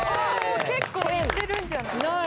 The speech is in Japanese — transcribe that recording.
結構いってるんじゃない？